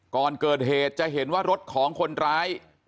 ก่อนเกิดเหตุจะเห็นว่ารถของคนร้าย